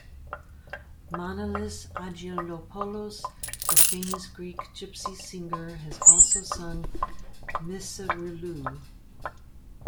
Manolis Aggelopoulos the famous Greek Gypsy singer has also sung Misirlou.